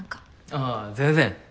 あぁ全然。